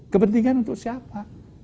kepentingan untuk siapa